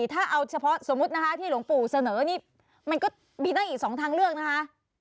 ถ้าเอาเฉพาะสมมุตินะคะที่หลวงปู่เสนอนี่มันก็มีตั้งอีก๒ทางเลือกนะคะ